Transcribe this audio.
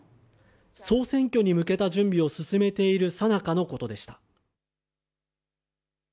総選挙に向けた準備を進めているさなかのことでした。